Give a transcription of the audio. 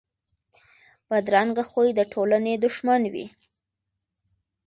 بدرنګه خوی د ټولنې دښمن وي